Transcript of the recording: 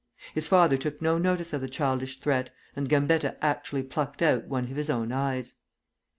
His father took no notice of the childish threat, and Gambetta actually plucked out one of his own eyes.